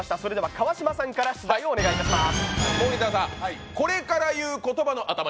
川島さんから出題をお願いします。